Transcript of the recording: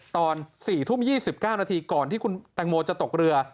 ตอน๔ทุ่ม๒๙นาทีก่อนที่คุณแตงโมจะตกเรือ